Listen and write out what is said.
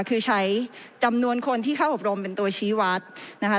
คือใช้จำนวนคนที่เข้าอบรมเป็นตัวชี้วัดนะคะ